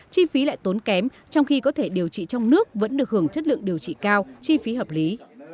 chi phí lại tốn kém trong khi có thể điều trị trong nước vẫn được hưởng chất lượng điều trị cao chi phí hợp lý